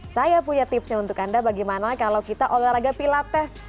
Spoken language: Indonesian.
saya punya tipsnya untuk anda bagaimana kalau kita olahraga pilates